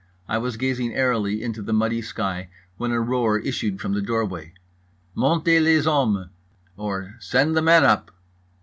I was gazing airily into the muddy sky, when a roar issued from the door way: "Montez les hommes!" or "Send the men up!"